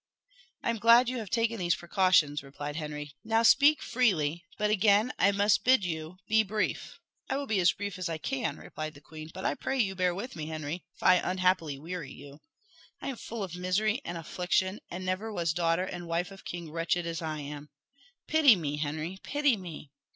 "I am glad you have taken these precautions," replied Henry. "Now speak freely, but again I must bid you be brief." "I will be as brief as I can," replied the queen; "but I pray you bear with me, Henry, if I unhappily weary you. I am full of misery and affliction, and never was daughter and wife of king wretched as I am. Pity me, Henry pity me!